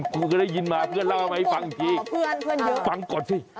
ก็ได้ยินมาเพื่อนเล่าให้ฟังจริงฟังก่อนสิ